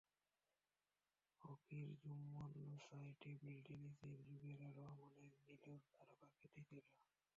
হকির জুম্মন লুসাই, টেবিল টেনিসের জোবেরা রহমান লিনুর তারকা খ্যাতি ছিল।